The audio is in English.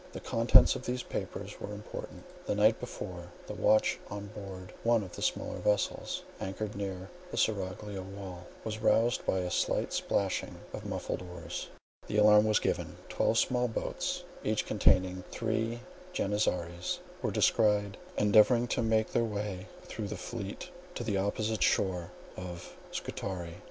The contents of these papers were important. The night before, the watch, on board one of the smaller vessels anchored near the seraglio wall, was roused by a slight splashing as of muffled oars; the alarm was given: twelve small boats, each containing three Janizaries, were descried endeavouring to make their way through the fleet to the opposite shore of Scutari.